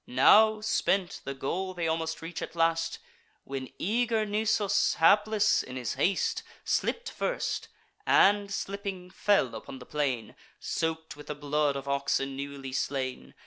Now, spent, the goal they almost reach at last, When eager Nisus, hapless in his haste, Slipp'd first, and, slipping, fell upon the plain, Soak'd with the blood of oxen newly slain.